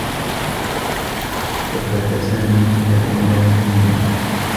ثبّت سامي جهاز إنذار في منزله.